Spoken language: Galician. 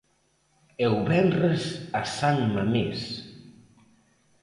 E o venres a San Mamés.